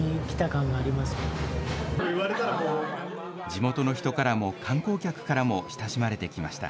地元の人からも観光客からも親しまれてきました。